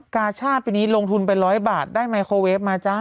การ์ชาติมีลงทุน๑๐๐บาทได้ไมโครเวฟมาจ้า